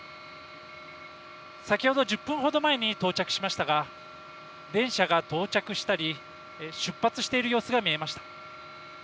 先ほど１０分ほど前に到着しましたが、電車が到着したり、出発している様子が見えました。